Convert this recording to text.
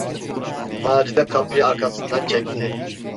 Macide kapıyı arkasından çekti.